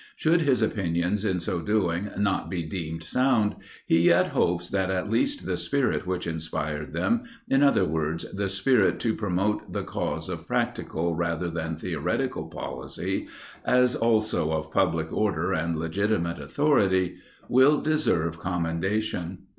Should his opinions in so doing not be deemed sound, he yet hopes that at least the spirit which inspired them in other words, the spirit to promote the cause of practical rather than theoretical policy, as also of public order and legitimate authority, will deserve commendation.